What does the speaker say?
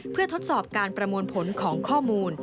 เพื่อทดสอบการประมวลผลของข้อมูล